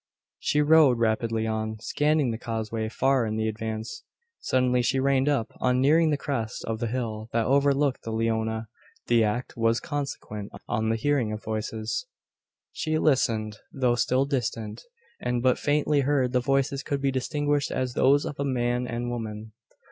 She rode rapidly on, scanning the causeway far in the advance. Suddenly she reined up, on nearing the crest of the hill that overlooked the Leona. The act was consequent on the hearing of voices. She listened. Though still distant, and but faintly heard, the voices could be distinguished as those of a man and woman.